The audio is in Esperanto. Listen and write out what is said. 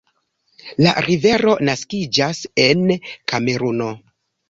La rivero naskiĝas en Kameruno.